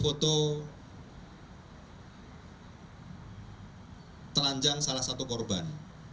foto telanjang salah satu korban